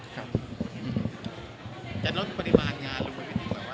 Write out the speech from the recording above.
จะลดปริมาณงานหรือว่า